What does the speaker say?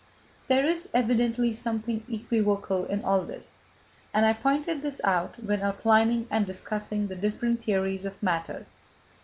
There is evidently something equivocal in all this; and I pointed this out when outlining and discussing the different theories of matter.